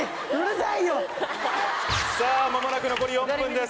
さぁ間もなく残り４分です。